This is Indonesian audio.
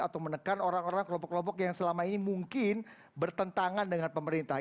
atau menekan orang orang kelompok kelompok yang selama ini mungkin bertentangan dengan pemerintah